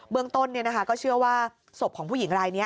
เบื้องต้นเนี่ยนะคะก็เชื่อว่าสบของผู้หญิงไรเนี่ย